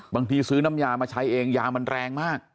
ซื้อน้ำยามาใช้เองยามันแรงมาก